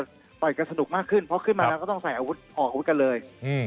ต่อยกันสนุกมากขึ้นเพราะขึ้นมาแล้วก็ต้องใส่อาวุธออกอาวุธกันเลย